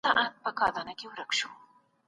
دي دوه جهانه يې د يار ، دروېش ته فرق نه کوي